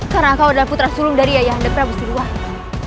karena kau adalah putra sulung dari ayah anda prabu sudwara